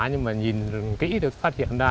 nhưng mà nhìn kỹ tôi phát hiện ra